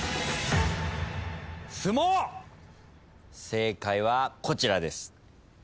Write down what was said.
正解はこちらです。